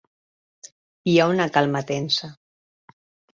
Hi ha una calma tensa.